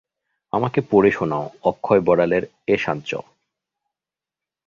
আমাকে পড়ে শোনাও অক্ষয় বড়ালের এষাঞ্চ।